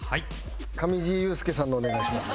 上地雄輔さんのをお願いします。